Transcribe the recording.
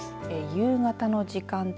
夕方の時間帯